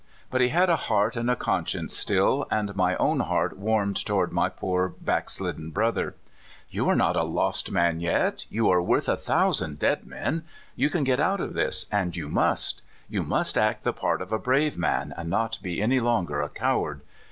But he had a heart and a conscience still, and my own heart warmed toward my poor backslidden brother. " You are not a lost man yet. You are worth a thousand dead men. You can get out of this, and you must. You must act the part of a brave man, and not be any longer a coward.